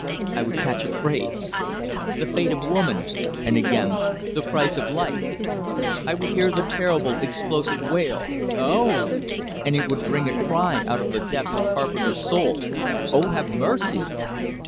I would catch a phrase: "The fate of woman!" And again: "The price of life!" I would hear the terrible, explosive wail: "O o o o o o o o oh!" And it would wring a cry out of the depths of Carpenter's soul: "Oh, have mercy!"